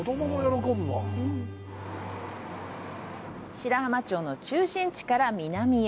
白浜町の中心地から南へ。